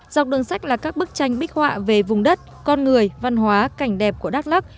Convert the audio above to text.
dọc đường sách là các bức tranh bích họa về vùng đất con người văn hóa cảnh đẹp của đắk lắc